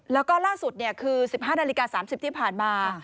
แล้วก็ล่าสุดคือ๑๕นาฬิกา๓๐ที่ผ่านมา